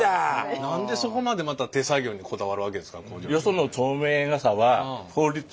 何でそこまでまた手作業にこだわるわけですか工場長。